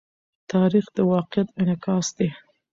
تاریخ د واقعیت انعکاس دی.